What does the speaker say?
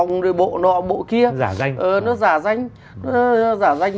nó giả danh